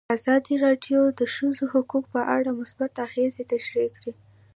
ازادي راډیو د د ښځو حقونه په اړه مثبت اغېزې تشریح کړي.